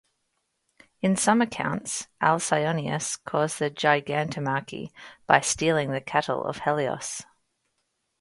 In some accounts Alcyoneus caused the Gigantomachy by stealing the cattle of Helios.